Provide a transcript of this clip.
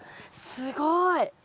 すごい。